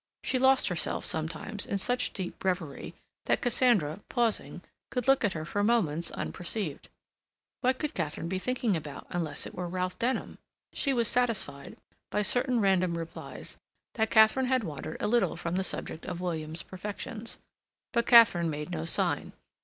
She lost herself sometimes in such deep reverie that Cassandra, pausing, could look at her for moments unperceived. What could Katharine be thinking about, unless it were Ralph Denham? She was satisfied, by certain random replies, that Katharine had wandered a little from the subject of William's perfections. But Katharine made no sign.